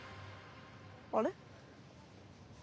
あれ？